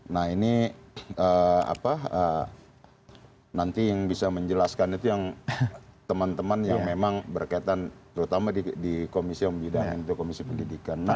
nah ini apa nanti yang bisa menjelaskan itu yang teman teman yang memang berkaitan terutama di komisi om bidang itu komisi pendidikan